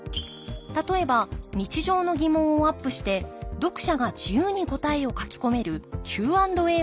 例えば日常の疑問をアップして読者が自由に答えを書き込めるＱ＆Ａ方式のもの。